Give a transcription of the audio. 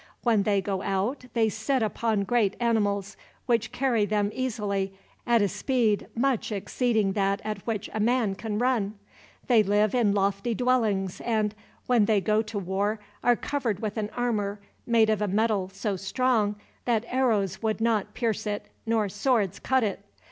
When they go out they sit upon great animals, which carry them easily, at a speed much exceeding that at which a man can run. They live in lofty dwellings and, when they go to war, are covered with an armor, made of a metal so strong that arrows would not pierce it nor swords cut it.